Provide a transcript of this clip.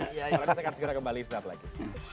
iya ya saya akan segera kembali sebentar lagi